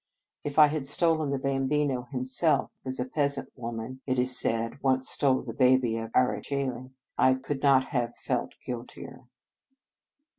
If I had stolen the Bam bino himself, as a peasant woman, it is said, once stole the Baby of Ara Cceli, I could not have felt guiltier.